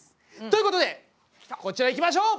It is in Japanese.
ということでこちらいきましょう！